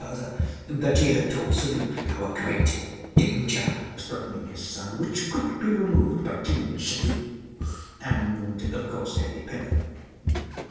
Further, that he had told Suddhoo how a great danger was threatening his son, which could be removed by clean jadoo; and, of course, heavy payment.